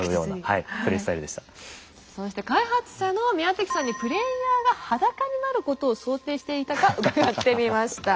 そして開発者の宮崎さんにプレイヤーが裸になることを想定していたか伺ってみました。